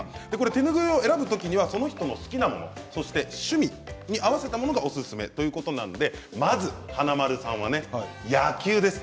手ぬぐいを選ぶときにはその人の好きなもの趣味に合わせたものがおすすめということでまず華丸さんは野球です。